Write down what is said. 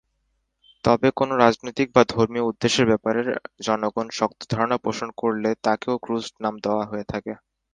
তবে কোন রাজনৈতিক বা ধর্মীয় উদ্দেশ্যের ব্যাপারে জনগণ শক্ত ধারণা পোষণ করলে তাকেও ক্রুসেড নাম দেয়া হয়ে থাকে।